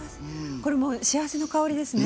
これもう幸せの香りですね。